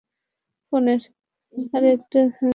আর একটা jeans pants.